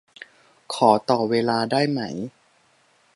ขอต่อเวลาได้ไหม